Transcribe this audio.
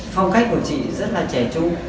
phong cách của chị rất là trẻ trung